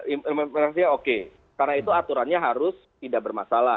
implementasinya oke karena itu aturannya harus tidak bermasalah